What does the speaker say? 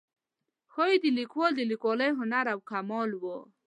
ښایي د لیکوال د لیکوالۍ هنر و کمال و.